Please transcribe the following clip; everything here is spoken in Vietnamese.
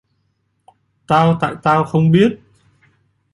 tao tại tao không biết